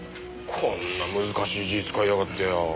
こんな難しい字使いやがってよ